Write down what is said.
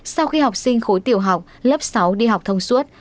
sau khi học sinh khối tiểu học lớp sáu đi học thông suốt